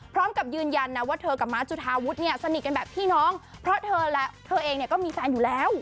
พร้อมกับยืนยันนะว่าเธอกับม้าจุธาวุฒิเนี่ยสนิทกันแบบพี่น้องเพราะเธอและเธอเองเนี่ยก็มีแฟนอยู่แล้ว